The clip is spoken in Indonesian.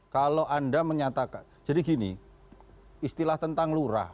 kalau anda menyatakan jadi gini istilah tentang lurah